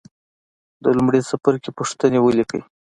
د لومړي څپرکي پوښتنې ولیکئ.